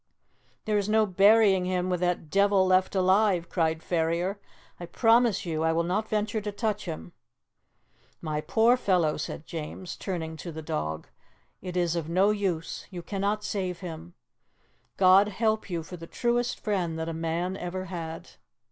"There is no burying him with that devil left alive!" cried Ferrier. "I promise you I will not venture to touch him." "My poor fellow," said James, turning to the dog, "it is of no use; you cannot save him. God help you for the truest friend that a man ever had!"